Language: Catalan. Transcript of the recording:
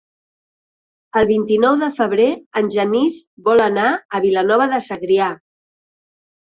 El vint-i-nou de febrer en Genís vol anar a Vilanova de Segrià.